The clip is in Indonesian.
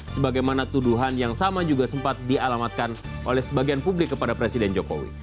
sebagaimana tuduhan yang sama juga sempat dialamatkan oleh sebagian publik kepada presiden jokowi